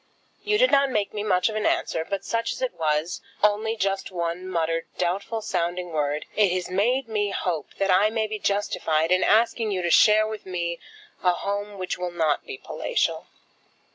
You did not make me much of an answer; but such as it was, only just one muttered doubtful sounding word, it has made me hope that I may be justified in asking you to share with me a home which will not be palatial.